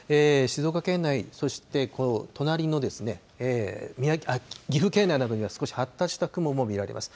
静岡県内、そして、この隣の岐阜県内などには少し発達した雲も見られます。